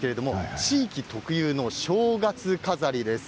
地域特有の正月飾りです。